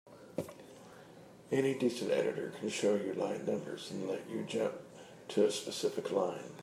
Any decent editor can show you line numbers and let you jump to a specific line.